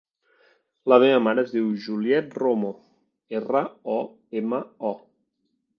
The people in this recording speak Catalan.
La meva mare es diu Juliet Romo: erra, o, ema, o.